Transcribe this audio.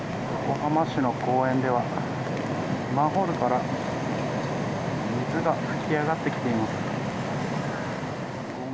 横浜市の公園ではマンホールから水が噴き上がってきています。